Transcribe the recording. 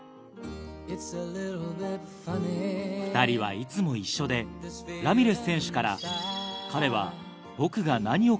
２人はいつも一緒でラミレス選手から。